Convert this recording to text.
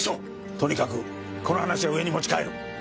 とにかくこの話は上に持ち帰る。